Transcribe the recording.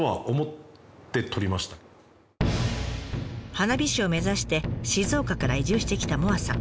花火師を目指して静岡から移住してきた萌彩さん。